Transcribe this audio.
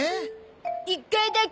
１回だけ！